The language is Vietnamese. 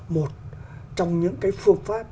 một trong những cái phương pháp